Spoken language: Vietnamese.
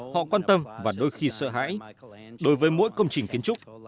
họ quan tâm và đôi khi sợ hãi đối với mỗi công trình kiến trúc